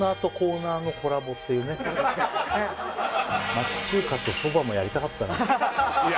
町中華とそばもやりたかったね